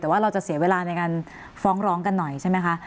แต่ว่าเราจะเสียเวลาในการฟ้องร้องกันหน่อยใช่ไหมคะ